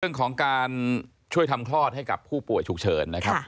เรื่องของการช่วยทำคลอดให้กับผู้ป่วยฉุกเฉินนะครับ